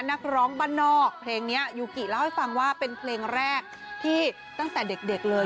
นักร้องบ้านนอกเพลงนี้ยูกิเล่าให้ฟังว่าเป็นเพลงแรกที่ตั้งแต่เด็กเลย